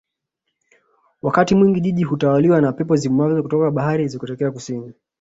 Wakati mwingi jiji hutawaliwa na pepo zivumazo toka baharini zikitokea Kusini